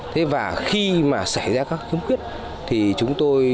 thế và khi mà xảy ra các kiếm quyết thì chúng tôi